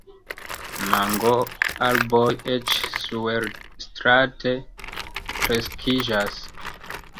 Mangoarboj eĉ suerstrate kreskiĝas.